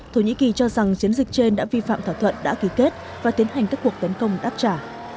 thổ nhĩ kỳ cho rằng chiến dịch trên đã vi phạm thỏa thuận đã ký kết và tiến hành các cuộc tấn công đáp trả